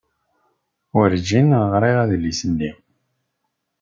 Werjin ɣriɣ adlis-nni.